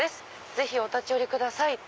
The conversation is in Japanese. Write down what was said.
ぜひお立ち寄り下さい！」。